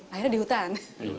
akhirnya di hutan